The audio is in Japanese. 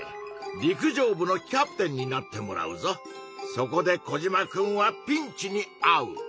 そこでコジマくんはピンチにあう！